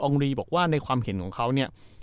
องรีบอกว่าในความเห็นของเขาเนี่ย